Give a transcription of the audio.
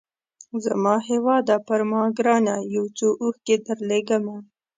زما هیواده پر ما ګرانه یو څو اوښکي درلېږمه